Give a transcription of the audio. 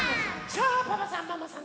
さあパパさんママさん